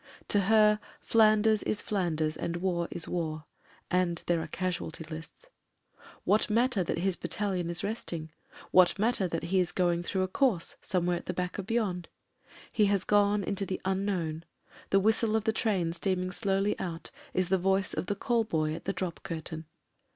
To her Flanders is Flanders and war is war — ^and there are casualty lists. What matter that his battalion is resting ; what matter that he is going through a course somewhere at the back of beyond ? He has gone into the Unknown; the whistle of the train steaming slowly out is the voice of the call boy at the drop cur tain.